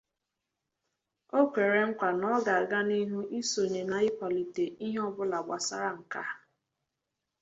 O kwere nkwà na ọ ga-aga n'ihụ isonye na ịkwàlite ihe ọbụla gbasaara nkà